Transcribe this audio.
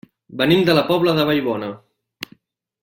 Venim de la Pobla de Vallbona.